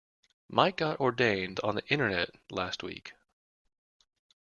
Mike got ordained on the internet last week.